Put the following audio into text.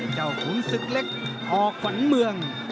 เจ้าขุนสึกเล็กอขวัญเมือง